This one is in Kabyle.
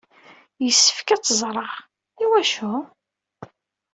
Yessefk ad t-ẓreɣ. I wacu?